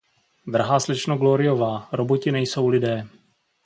Drahá slečno Gloryová, roboti nejsou lidé.